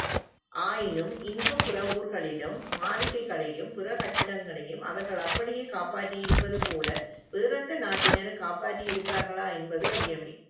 ஆயினும் இங்கும் பிறவூர்களிலும் மாளிகைகளையும் பிற கட்டிடங்களையும அவர்கள் அப்படியே காப்பாற்றியிருப்பதுபோல வேறெந்த நாட்டினரும் காப்பாற்றியிருப்பார்களா என்பது ஐயமே.